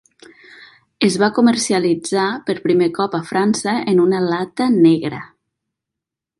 Es va comercialitzar per primer cop a França en una lata negra.